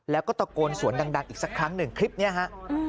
แล้วก็ตะโกนสวนดังอีกสักครั้งหนึ่งคลิปนี้ฮะ